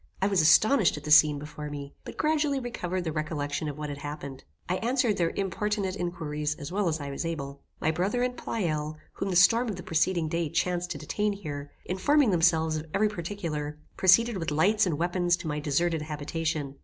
I was astonished at the scene before me, but gradually recovered the recollection of what had happened. I answered their importunate inquiries as well as I was able. My brother and Pleyel, whom the storm of the preceding day chanced to detain here, informing themselves of every particular, proceeded with lights and weapons to my deserted habitation.